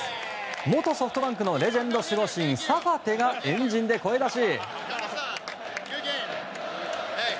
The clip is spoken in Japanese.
元ソフトバンクのレジェンド守護神、サファテが円陣で声出し。